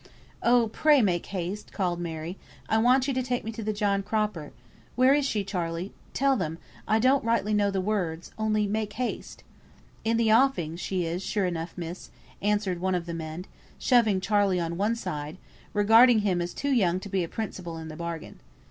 "Oh, pray make haste," called Mary. "I want you to take me to the John Cropper. Where is she, Charley? Tell them I don't rightly know the words, only make haste!" "In the offing she is, sure enough, miss," answered one of the men, shoving Charley on one side, regarding him as too young to be a principal in the bargain.